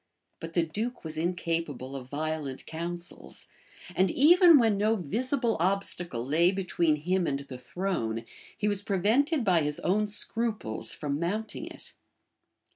But the duke was incapable of violent counsels; and even when no visible obstacle lay between him and the throne, he was prevented by his own scruples from mounting it.